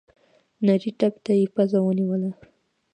نري تپ ته يې پزه ونيوله.